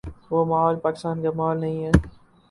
وہ ماحول پاکستان کا ماحول نہیں ہے۔